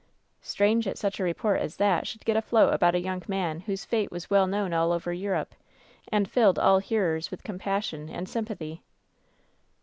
" 'Strange that such a report as that should get afloat about a young man whose fate was well known all over Europe, and filled all hearers with compassion and sym pathy.'